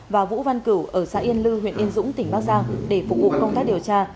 và vũ văn cửu ở xã yên lư huyện yên dũng tỉnh bắc giang để phục vụ công tác điều tra